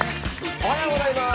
おはようございます。